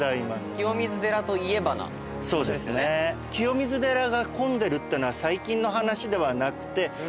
清水寺が混んでるっていうのは最近の話ではなくて。